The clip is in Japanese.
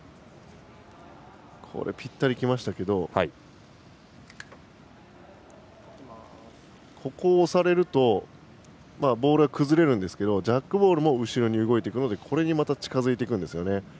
ぴったりきましたけどここを押されるとボールが崩れるんですけどジャックボールも後ろに動いていくのでこれにまた近づいていくんですね。